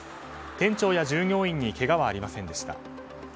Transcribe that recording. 店長や従業員にけがはありませんでした。